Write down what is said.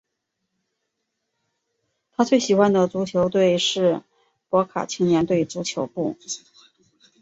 他最喜欢的足球队是博卡青年队俱乐部。